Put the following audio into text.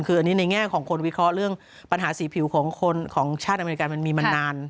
คืออันนี้ในแง่ของคนวิเคราะห์เรื่องปัญหาสีผิวของชาติอเมริกามันมีมานาน